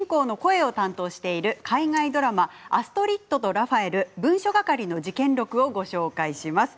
続いては貫地谷さんが主人公の声を担当している海外ドラマ「アストリッドとラファエル文書係の事件録」をご紹介します。